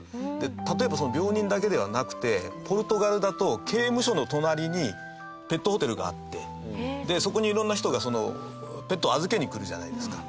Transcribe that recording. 例えば、病人だけではなくてポルトガルだと刑務所の隣にペットホテルがあってそこに、いろんな人が、ペットを預けに来るじゃないですか。